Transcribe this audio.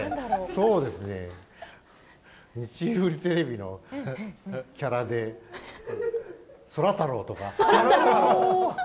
そうですね、日売テレビのキャラで、そらタローとか。